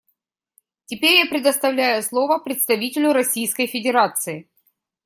Теперь я предоставляю слово представителю Российской Федерации.